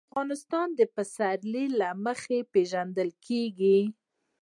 افغانستان د پسرلی له مخې پېژندل کېږي.